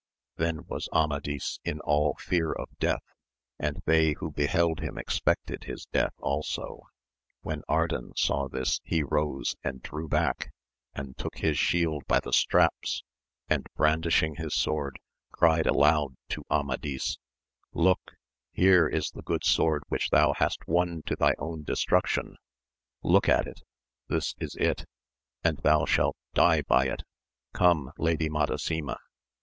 Then was Amadis in all fear of death, and they who beheld him expected his death also. When Ardan saw this he rose and drew back, and took his shield by the straps^ and bran AMADIS OF GAUL. 99 dishing his sword, cried aloud to Amadis, Look f here is the good sword which thou hast won to thy own destruction. Look at it ! this is it, and thou shalt die by it. Gome, Lady Madasima